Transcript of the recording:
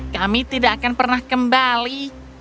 kami tidak akan pernah kembali